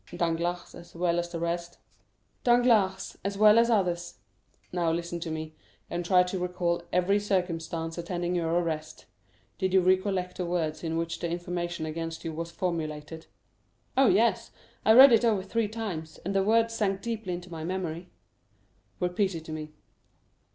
"Danglars, as well as the rest?" "Danglars, as well as others." "Now, listen to me, and try to recall every circumstance attending your arrest. Do you recollect the words in which the information against you was formulated?" "Oh yes, I read it over three times, and the words sank deeply into my memory." "Repeat it to me."